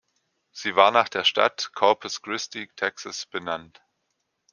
Sie war nach der Stadt Corpus Christi, Texas, benannt.